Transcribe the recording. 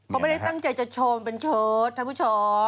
เขาไม่ได้ตั้งใจจะโชว์มันเป็นเชิดท่านผู้ชม